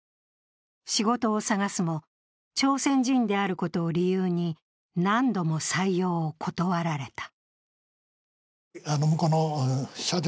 仕事を探すも、朝鮮人であることを理由に何度も採用を断られた。